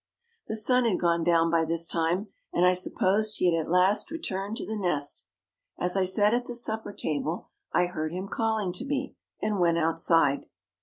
The sun had gone down by this time and I supposed he had at last returned to the nest. As I sat at the supper table I heard him calling to me and went outside.